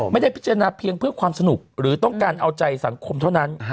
ไม่ได้พิจารณาเพียงเพื่อความสนุกหรือต้องการเอาใจสังคมเท่านั้น